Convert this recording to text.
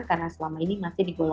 karena selama ini masih digolongkan